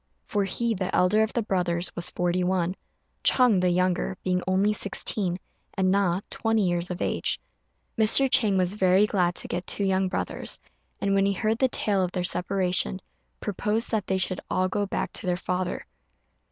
For he, the elder of the brothers, was forty one; Ch'êng, the younger, being only sixteen; and Na, twenty years of age. Mr. Chang was very glad to get two young brothers; and when he heard the tale of their separation, proposed that they should all go back to their father.